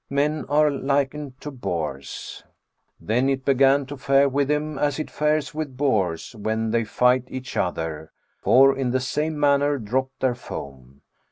men are likened to boars—" Then it began to fare with them as it fares with boars when they fight each other, for in the same manner dropped their foam."